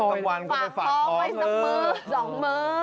ปากท้องนะคะไปส่องเมอร์